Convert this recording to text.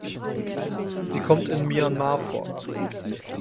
Sie kommt in Myanmar vor.